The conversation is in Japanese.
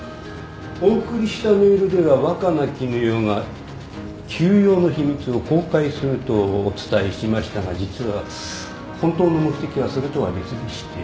お送りしたメールでは若菜絹代が休養の秘密を公開するとお伝えしましたが実は本当の目的はそれとは別でして。